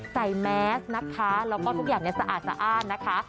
ใส่แมสนะคะแล้วก็ทุกอย่างเนี่ยสะอาดนะคะ